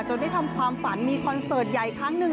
ได้ทำความฝันมีคอนเสิร์ตใหญ่ครั้งหนึ่ง